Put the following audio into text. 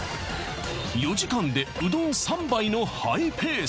４時間でうどん３杯のハイペース